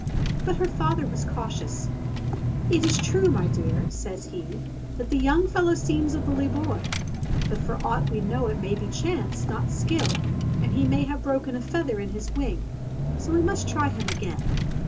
But her father was cautious. "It is true, my dear," I says he, "that the young fellow seems a bully boy; but for aught we know it may be chance, not skill, and he may have a broken feather in his wing. So we must try him again."